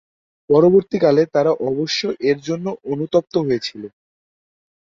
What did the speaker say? পরবর্তীকালে তারা অবশ্য এর জন্য অনুতপ্ত হয়েছিল।